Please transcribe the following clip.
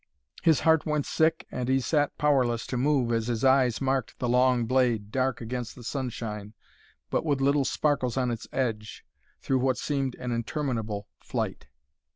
His heart went sick and he sat powerless to move as his eyes marked the long blade, dark against the sunshine, but with little sparkles on its edge, through what seemed an interminable flight.